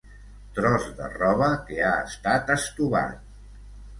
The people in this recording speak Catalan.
Tros de roba que ha estat estovat.